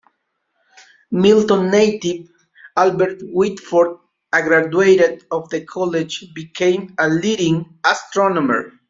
Milton native, Albert Whitford, a graduate of the college, became a leading astronomer.